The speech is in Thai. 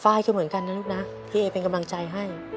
ไฟ้เคี้ยเหมือนกันนะลูกนะพี่เย้เป็นกำลังใจให้